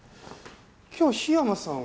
今日桧山さんは？